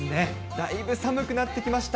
だいぶ寒くなってきました。